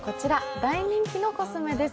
大人気のコスメです。